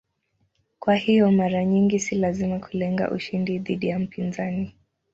Kwa hiyo mara nyingi si lazima kulenga ushindi dhidi ya mpinzani.